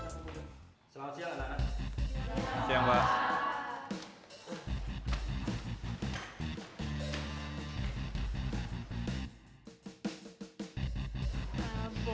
selamat siang ada anak